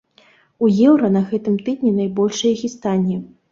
У еўра на гэтым тыдні найбольшыя хістанні.